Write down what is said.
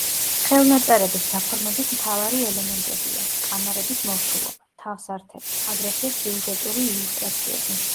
ხელნაწერების გაფორმების მთავარი ელემენტებია: კამარების მორთულობა, თავსართები, აგრეთვე სიუჟეტური ილუსტრაციები.